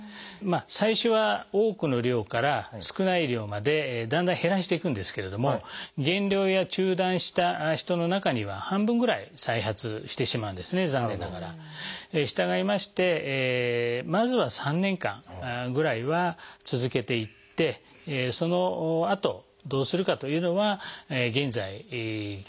最初は多くの量から少ない量までだんだん減らしていくんですけれども減量や中断した人の中には半分ぐらい再発してしまうんですね残念ながら。したがいましてまずは３年間ぐらいは続けていってそのあとどうするかというのは現在研究中ですね。